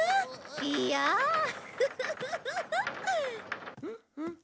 いやあフフフ！